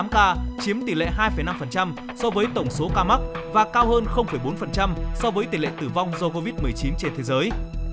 một tám trăm sáu mươi tám ca chiếm tỷ lệ hai năm so với tổng số ca mắc và cao hơn bốn so với tỷ lệ tử vong do covid một mươi chín trên thế giới